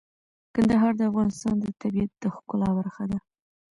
کندهار د افغانستان د طبیعت د ښکلا برخه ده.